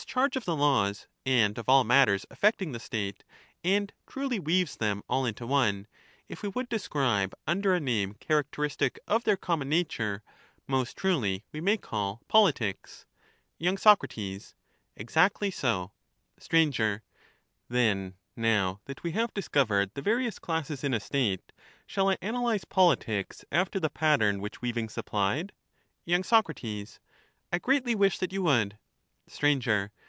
511 charge of the laws, and of all matters affecting the State, and Siatesman, truly weaves them all into one, if we would describe under stramce«, a name characteristic of their common nature, most truly we ^^'JI^tks may call politics. and weaves y. Soc. Exactly so. them to Str, Then, now that we have discovered the various classes ^^®'^,.*'?^ in a State*, shall I analyse politics after the pattern which web. weaving supplied ? 306 y. Soc, I greatly wish that you would. Str.